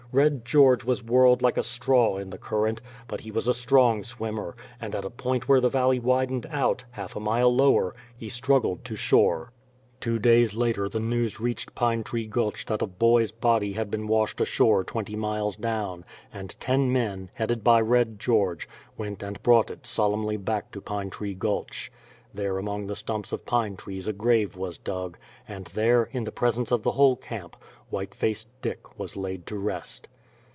Red George was whirled like a straw in the current; but he was a strong swimmer, and at a point where the valley widened out, half a mile lower, he struggled to shore. Two days later the news reached Pine Tree Gulch that a boy's body had been washed ashore twenty miles down, and ten men, headed by Red George, went and brought it solemnly back to Pine Tree Gulch. There among the stumps of pine trees a grave was dug, and there, in the presence of the whole camp, White Faced Dick was laid to rest.